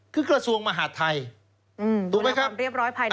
คือกระทรวงมหาธัยถูกไหมครับอืมดูแลความเรียบร้อยภายในประเทศ